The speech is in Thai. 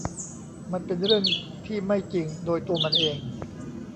มันเป็นเรื่องที่ไม่จริงโดยตัวมันเอง